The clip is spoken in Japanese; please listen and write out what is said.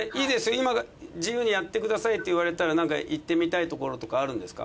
今自由にやってくださいって言われたらなんか行ってみたいところとかあるんですか？